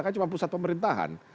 kan cuma pusat pemerintahan